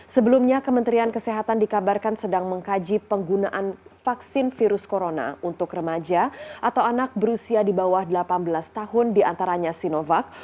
sebelumnya kementerian kesehatan dikabarkan sedang mengkaji penggunaan vaksin virus corona untuk remaja atau anak berusia di bawah delapan belas tahun diantaranya sinovac